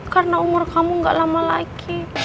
karena umur kamu gak lama lagi